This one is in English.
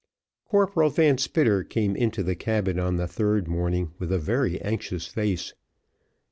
Corporal Van Spitter came into the cabin on the third morning with a very anxious face.